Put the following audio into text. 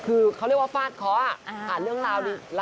คือเขาเรียกว่าฝาดเคาะ